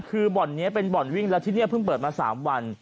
คือบ่อนนี้เป็นบ่อนวิ่งแล้วที่นี่เพิ่งเปิดมา๓วัน